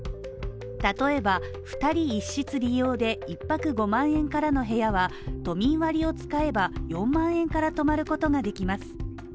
例えば、２人１室利用で、１泊５万円からの部屋は都民割を使えば４万円から泊まることができます。